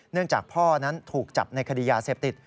จากพ่อนั้นถูกจับในคดียาเสพติด